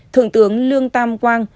thượng tướng lương tam quang